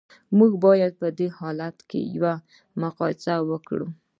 موږ باید په دې حالت کې یوه مقایسه وکړو